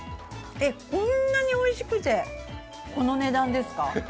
こんなにおいしくて、この値段ですか？